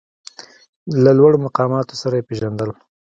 له لوړو مقاماتو سره یې پېژندل.